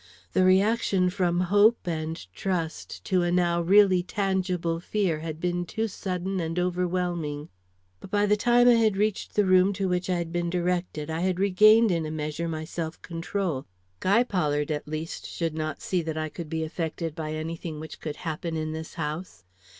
The reaction from hope and trust to a now really tangible fear had been too sudden and overwhelming. But by the time I had reached the room to which I had been directed, I had regained in a measure my self control. Guy Pollard at least should not see that I could be affected by any thing which could happen in this house.